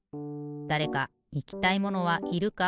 だれかいきたいものはいるか？